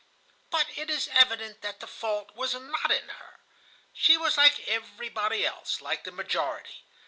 "But it is evident that the fault was not in her. She was like everybody else, like the majority.